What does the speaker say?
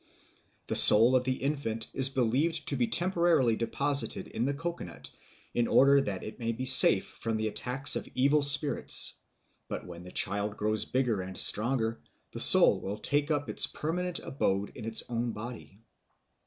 The soul of the infant is believed to be temporarily deposited in the coco nut in order that it may be safe from the attacks of evil spirits; but when the child grows bigger and stronger, the soul will take up its permanent abode in its own body.